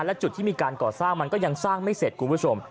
และจุดที่มีการก่อสร้างมันก็ยังสร้างไม่เสร็จคุณผู้ชม